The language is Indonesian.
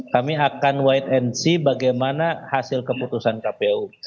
kami akan white and see bagaimana hasil keputusan kpu